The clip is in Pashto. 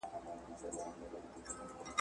¬ پر خره سپور دئ، خر ځني ورک دئ.